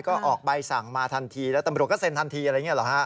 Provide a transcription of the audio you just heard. ก็ออกใบสั่งมาทันทีแล้วตำรวจก็เซ็นทันทีอะไรอย่างนี้หรอฮะ